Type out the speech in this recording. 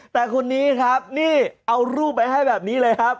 แต่คนนี้ครับนี่เอารูปไปให้แบบนี้เลยครับ